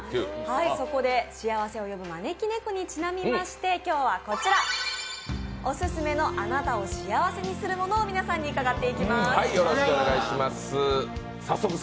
そこで幸せを呼ぶ招き猫にちなみまして、今日はこちら、オススメのあなたを幸せにするものを皆さんに伺っていきます。